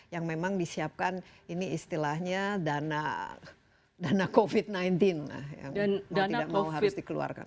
yang memang disiapkan ini istilahnya dana covid sembilan belas yang mau tidak mau harus dikeluarkan